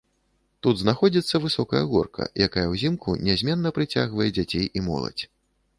Тут знаходзіцца высокая горка, якая ўзімку нязменна прыцягвае дзяцей і моладзь.